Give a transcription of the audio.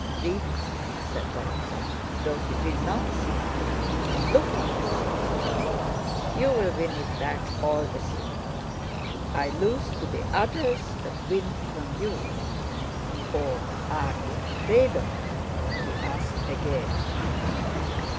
"Leave it," said Dólokhov, though he did not seem to be even looking at Rostóv, "you'll win it back all the sooner. I lose to the others but win from you. Or are you afraid of me?" he asked again.